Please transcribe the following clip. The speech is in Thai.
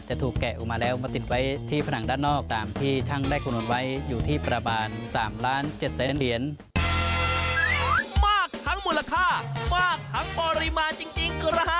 จะถูกแกะออกมาแล้วมาติดไว้ที่ผนังด้านนอกตามที่ช่างได้คลิกนวงไว้อยู่ที่ประบาน๓ล้าน๗แสนเดือน